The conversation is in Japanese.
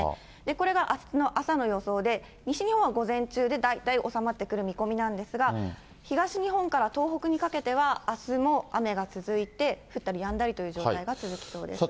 これがあすの朝の予想で、西日本は午前中で大体収まってくる見込みなんですが、東日本から東北にかけては、あすも雨が続いて、降ったりやんだりという状態が続く予想です。